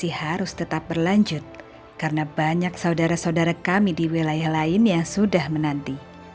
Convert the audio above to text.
masih harus tetap berlanjut karena banyak saudara saudara kami di wilayah lain yang sudah menanti